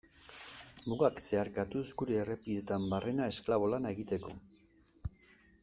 Mugak zeharkatuz gure errepideetan barrena esklabo lana egiteko.